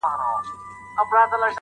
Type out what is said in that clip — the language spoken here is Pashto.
• مِکروب د جهالت مو له وجود وتلی نه دی,